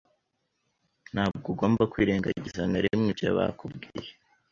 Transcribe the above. ntabwo ugomba kwirengagiza na rimwe ibyo bakubwiye